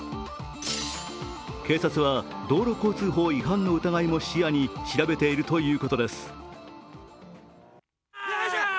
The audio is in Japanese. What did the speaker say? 警察は道路交通法違反の疑いも視野に調べているということです。